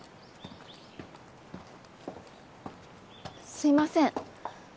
すいません。